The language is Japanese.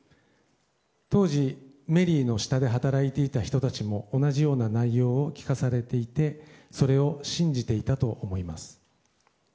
当時、メリーの下で働いていた人たちも同じような内容を聞かされていてそれを信じていたと思います。